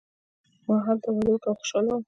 ما هلته واده وکړ او خوشحاله وم.